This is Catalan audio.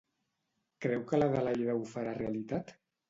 Creu que l'Adelaida ho farà realitat?